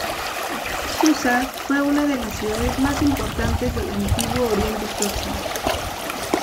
Susa fue una de las ciudades más importantes del Antiguo Oriente Próximo.